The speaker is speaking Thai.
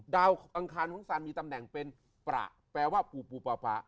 ดาวของอังคารของสันมีตำแหน่งเป็นประแปลว่าปูปูปาพะ